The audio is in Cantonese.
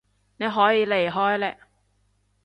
你可以離開嘞